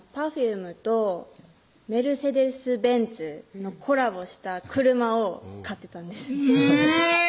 Ｐｅｒｆｕｍｅとメルセデス・ベンツのコラボした車を買ってたんですえぇ！